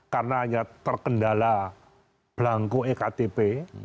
karena terkendala pelangkuk ektp